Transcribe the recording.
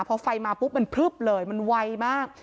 พอไฟมาปุ๊บมันพลึบเลยมันไวมาก